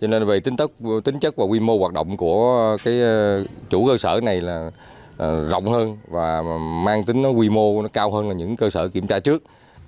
cho nên về tính chất và quy mô hoạt động của chủ cơ sở này là rộng hơn và mang tính quy mô nó cao hơn là những cơ sở kiểm tra trước